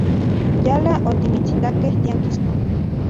Yala otimitsitakej tiankisko.